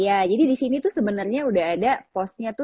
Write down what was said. ya jadi di sini itu sebenarnya sudah ada postnya itu